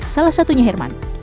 salah satunya herman